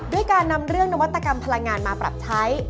ด้วยการนำเรื่องนวัตกรรมพลังงานมาปรับใช้